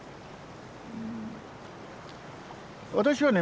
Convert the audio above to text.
私はね